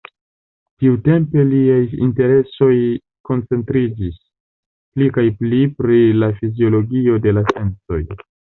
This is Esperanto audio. Tiutempe liaj interesoj koncentriĝis pli kaj pli pri la fiziologio de la sensoj.